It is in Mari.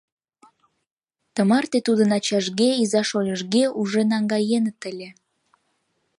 Тымарте тудын ачажге, иза-шольыжге уже наҥгаеныт ыле.